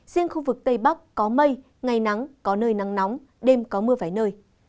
riêng khu vực tây bắc có mây ngày nắng có nơi nắng nóng đêm có mưa vài nơi